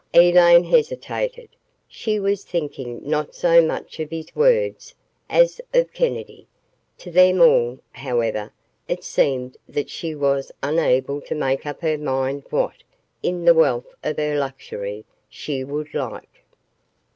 Elaine hesitated. She was thinking not so much of his words as of Kennedy. To them all, however, it seemed that she was unable to make up her mind what, in the wealth of her luxury, she would like.